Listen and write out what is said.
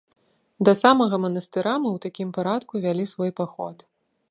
Да самага манастыра мы ў такім парадку вялі свой паход.